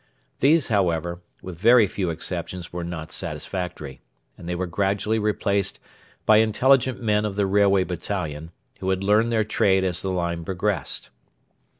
These, however, with very few exceptions were not satisfactory, and they were gradually replaced by intelligent men of the 'Railway Battalion,' who had learned their trade as the line progressed.